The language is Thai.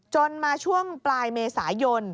จนมาช่วงปลายเมษายน